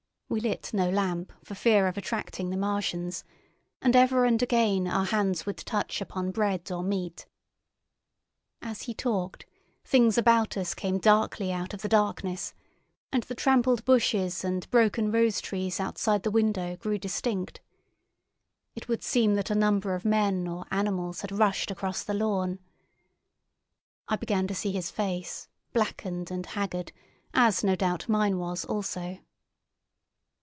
We lit no lamp for fear of attracting the Martians, and ever and again our hands would touch upon bread or meat. As he talked, things about us came darkly out of the darkness, and the trampled bushes and broken rose trees outside the window grew distinct. It would seem that a number of men or animals had rushed across the lawn. I began to see his face, blackened and haggard, as no doubt mine was also.